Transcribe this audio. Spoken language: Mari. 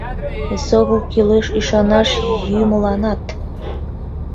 эсогыл кӱлеш ӱшанаш йӱмыланат